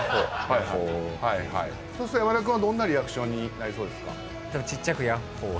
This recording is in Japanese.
そうすると山田君はどんなリアクションになりそうですか？